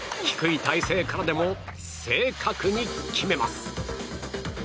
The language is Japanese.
低い体勢からでも正確に決めます。